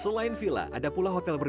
selain villa ada pula hotel berbeda